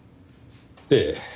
ええ。